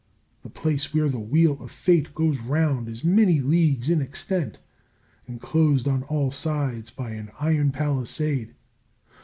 The place where the Wheel of Fate goes round is many leagues in extent, enclosed on all sides by an iron palisade.